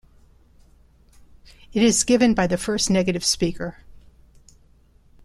It is given by the first negative speaker.